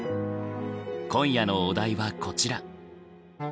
今夜のお題はこちら。